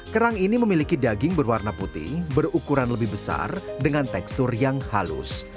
kerang ini memiliki daging berwarna putih berukuran lebih besar dengan tekstur yang halus